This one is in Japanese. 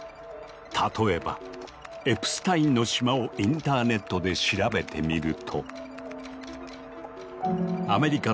例えば「エプスタインの島」をインターネットで調べてみると。